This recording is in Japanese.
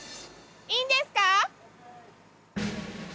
いいんですか？